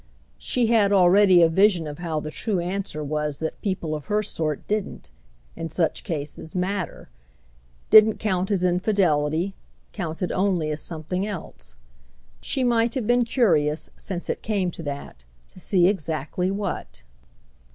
She had already a vision of how the true answer was that people of her sort didn't, in such cases, matter—didn't count as infidelity, counted only as something else: she might have been curious, since it came to that, to see exactly what.